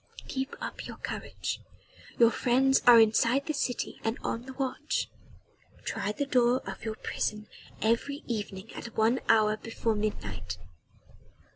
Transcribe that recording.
"Keep up your courage. Your friends are inside the city and on the watch. Try the door of your prison every evening at one hour before midnight.